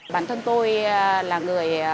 bản thân tôi là người